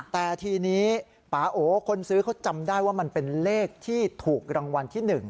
แต่ทีนี้ปาโอคนซื้อเขาจำได้ว่ามันเป็นเลขที่ถูกรางวัลที่๑